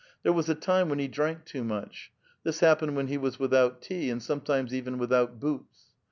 There was a time when he drank too much ; this happened when he was without tea, and sometimes even without boots.